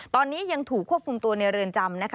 ตอนนี้ยังถูกควบคุมตัวในเรือนจำนะคะ